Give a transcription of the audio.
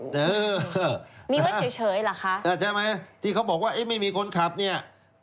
นี่ว่าเฉยหรือคะใช่ไหมที่เขาบอกว่าไม่มีคนขับเนี่ย